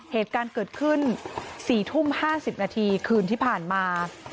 เหตุการณ์เกิดขึ้น๔ทุ่ม๕๐นาทีคืนที่ผ่านมา